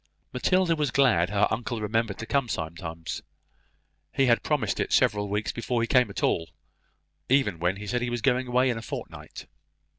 Matilda was glad her uncle remembered to come sometimes. He had promised it several weeks before he came at all; even when he said he was going away in a fortnight.